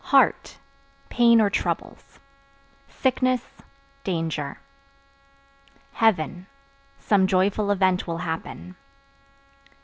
Heart (Pain or troubles) sickness, danger. Heaven Some joyful event will happen.